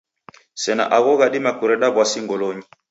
Sena agho ghadima kureda w'asi ngolonyi.